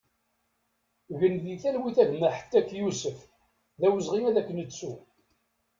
Gen di talwit a gma Hettak Yusef, d awezɣi ad k-nettu!